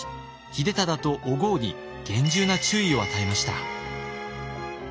秀忠とお江に厳重な注意を与えました。